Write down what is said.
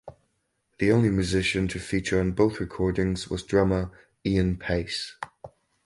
The only musician to feature on both recordings was drummer Ian Paice.